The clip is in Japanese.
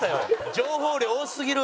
情報量多すぎる！